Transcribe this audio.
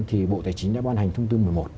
thì bộ tài chính đã ban hành thông tư một mươi một